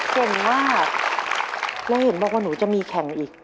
เก่งมากแล้วเห็นบอกว่าหนูจะมีแข่งอีก